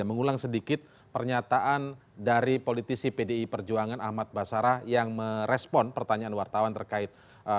mengulang sedikit pernyataan dari politisi pdi perjuangan ahmad basarah yang merespon pertanyaan wartawan terkait